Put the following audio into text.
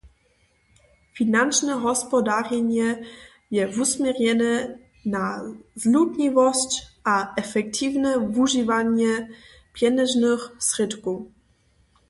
Finančne hospodarjenje je wusměrjene na zlutniwosć a efektiwne wužiwanje pjenježnych srědkow.